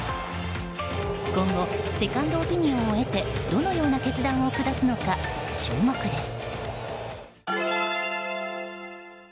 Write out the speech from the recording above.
今後、セカンドオピニオンを得てどのような決断を下すのか注目です。